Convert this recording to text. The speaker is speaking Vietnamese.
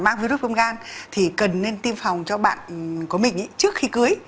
mang virus viêm gan thì cần nên tiêm phòng cho bạn của mình trước khi cưới